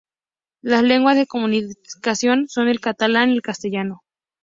Las lenguas de comunicación son el catalán y el castellano.